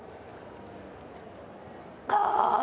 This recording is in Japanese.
ああ！